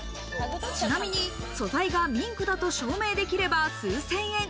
ちなみに素材がミンクだと証明できれば数千円。